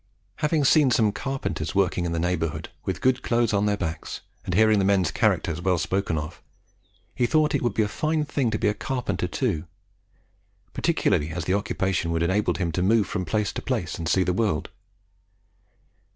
Having seen some carpenters working in the neighbourhood, with good clothes on their backs, and hearing the men's characters well spoken of, he thought it would be a fine thing to be a carpenter too, particularly as the occupation would enable him to move from place to place and see the world.